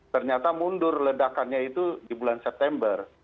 ternyata mundur ledakannya itu di bulan september